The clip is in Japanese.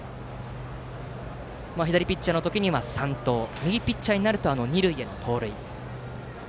左ピッチャーの時には三盗右ピッチャーになると二塁への盗塁。